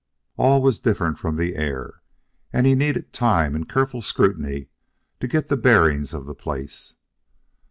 All was different from the air, and he needed time and careful scrutiny to get the bearings of the place.